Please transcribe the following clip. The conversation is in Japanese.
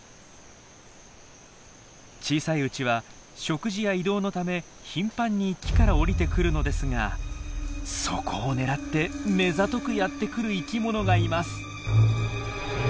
小さいうちは食事や移動のため頻繁に木から降りてくるのですがそこを狙ってめざとくやって来る生き物がいます。